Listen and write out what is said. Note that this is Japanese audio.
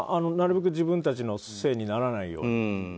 なるべく自分たちのせいにならないように。